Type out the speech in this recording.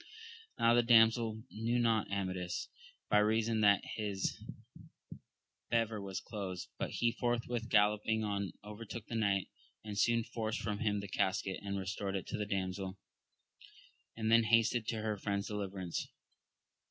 Now the damsel knew not Amadis, by reason that his bever was closed. But he forthwith galloping on overtook the knight, and soon forced from him the casket, and restored it to the damsel, and then hastened to her friend's deliverance.